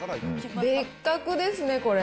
別格ですね、これ。